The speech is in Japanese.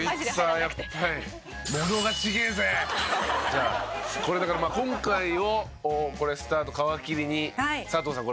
じゃあこれだから今回をスタート皮切りに佐藤さん